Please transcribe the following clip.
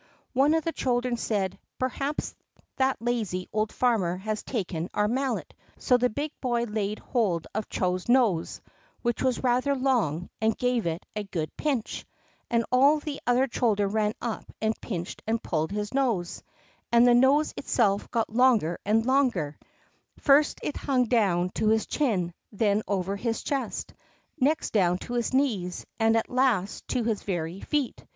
One of the children said, "Perhaps that lazy old farmer has taken our Mallet." So the big boy laid hold of Chô's nose, which was rather long, and gave it a good pinch, and all the other children ran up and pinched and pulled his nose, and the nose itself got longer and longer; first it hung down to his chin, then over his chest, next down to his knees, and at last to his very feet.